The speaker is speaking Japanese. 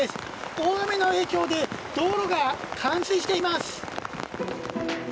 大雨の影響で道路が冠水しています。